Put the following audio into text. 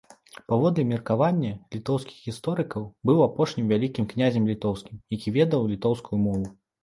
Паводле меркавання літоўскіх гісторыкаў, быў апошнім вялікім князем літоўскім, які ведаў літоўскую мову.